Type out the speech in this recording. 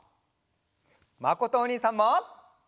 まことおにいさんも！